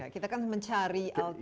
kita kan mencari alternatif